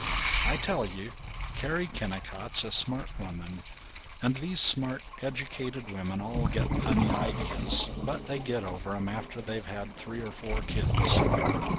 I tell you, Carrie Kennicott's a smart woman, and these smart educated women all get funny ideas, but they get over 'em after they've had three or four kids.